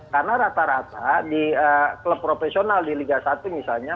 karena rata rata di klub profesional di liga satu misalnya